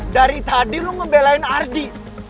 dari tadi lo ngebelain ardi